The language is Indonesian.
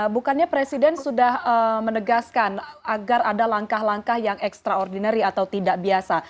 bukannya presiden sudah menegaskan agar ada langkah langkah yang extraordinary atau tidak biasa